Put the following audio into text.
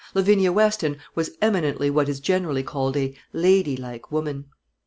Lavinia Weston was eminently what is generally called a lady like woman.